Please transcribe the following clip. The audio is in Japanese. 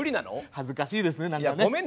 恥ずかしいですね何かね。